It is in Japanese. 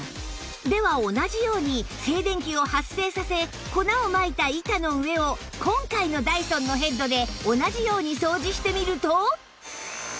では同じように静電気を発生させ粉をまいた板の上を今回のダイソンのヘッドで同じように掃除してみると